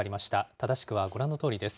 正しくはご覧のとおりです。